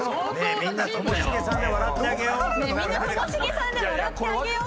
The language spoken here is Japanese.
みんなともしげさんで笑ってあげよう。